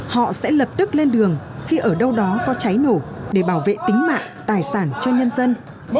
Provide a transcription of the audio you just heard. họ sẽ lập tức lên đường khi ở đâu đó có cháy nổ để bảo vệ tính mạng tài sản cho nhân dân